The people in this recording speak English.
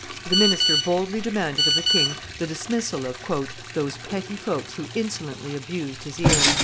The minister, boldly demanded of the king the dismissal of "those petty folks who insolently abused his ear."